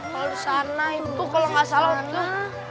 kalau sana itu kalau gak salah